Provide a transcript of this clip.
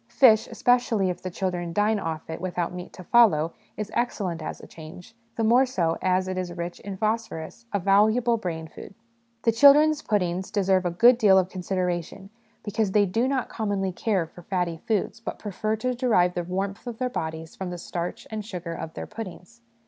Fish, especially if the children dine off it without meat to follow, is excellent as a change, the more so as it is rich in phosphorus a valuable brain food. The children's puddings deserve a good deal of consideration, because they do not commonly care for fatty foods, but prefer to derive the warmth of their bodies from the starch and sugar of their puddings.